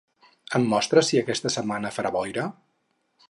Em mostres si aquesta setmana farà boira?